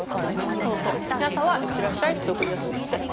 そうそうで朝は「いってらっしゃい」って送り出すんだって。